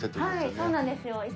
はいそうなんですよ。